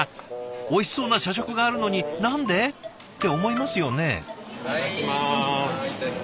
おいしそうな社食があるのに何で？って思いますよね。